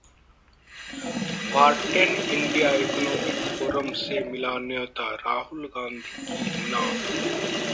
Wharton India economic forum से मिला न्योता, राहुल गांधी की 'ना'